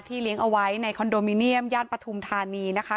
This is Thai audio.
เลี้ยงเอาไว้ในคอนโดมิเนียมย่านปฐุมธานีนะคะ